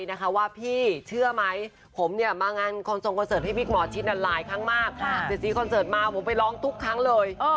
มาเมื่อสีคอนเซิร์ตมาผมไปร้องทุกครั้งเลย